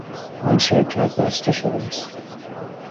آن شرکت بسته شده است.